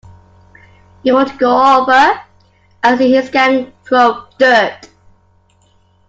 You want to go over and see his gang throw dirt.